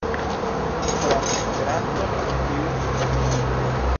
Krom Esperanton, li uzis Idon.